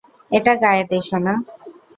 এটা গায়ে দে, সোনা।